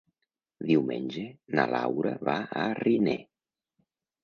Diumenge na Laura va a Riner.